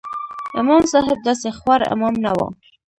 امام صاحب داسې خوار امام نه و.